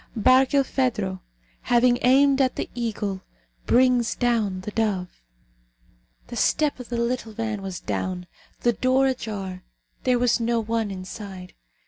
BARKILPHEDRO, HAVING AIMED AT THE EAGLE, BRINGS DOWN THE DOVE. The step of the little van was down the door ajar there was no one inside.